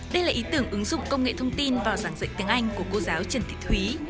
đây là ý tưởng ứng dụng công nghệ thông tin vào giảng dạy tiếng anh của cô giáo trần thị thúy